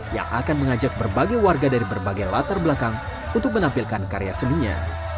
yang akan mengajak berbagai warga dari berbagai latar belakang untuk menampilkan karya seninya